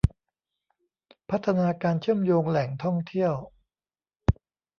พัฒนาการเชื่อมโยงแหล่งท่องเที่ยว